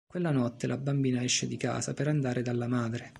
Quella notte, la bambina esce di casa per andare dalla madre.